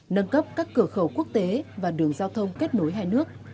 nâng cấp các cửa khẩu quốc tế và đường giao thông kết nối hai nước